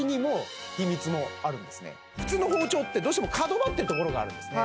普通の包丁ってどうしても角張ってるところがあるんですね